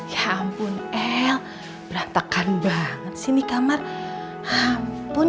ya ampun el berantakan banget sini kamar ampun